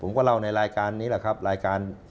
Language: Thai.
ผมก็เล่าในรายการนี้แหละครับ